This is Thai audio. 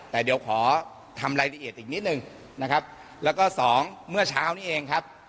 แต่เดี๋ยวขอทำรายละเอียดอีกนิดหนึ่งนะครับแล้วก็สองเมื่อเช้านี้เองครับ